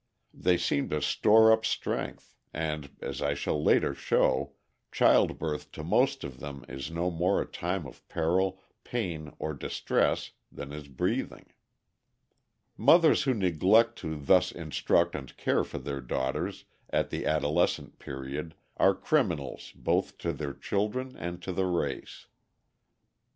They seem to store up strength, and, as I shall later show, childbirth to most of them is no more a time of peril, pain, or distress than is breathing. [Illustration: A HAVASUPAI MOTHER, PROUD OF HER MAN CHILD.] Mothers who neglect to thus instruct and care for their daughters at the adolescent period are criminals both to their children and to the race.